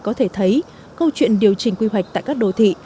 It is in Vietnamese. có thể thấy câu chuyện điều chỉnh quy hoạch tại các đô thị